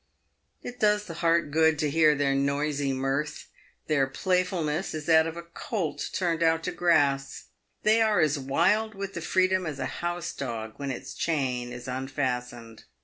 It does the heart good to hear their noisy mirth ; their playfulness is that of a colt turned out to grass ; they are as wild with the freedom as a house dog when its chain is unfastened.